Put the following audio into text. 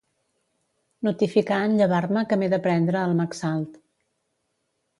Notificar en llevar-me que m'he de prendre el Maxalt.